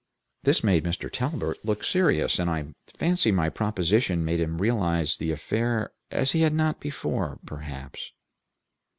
This made Mr. Talbert look serious; and I fancy my proposition made him realize the affair as he had not before, perhaps.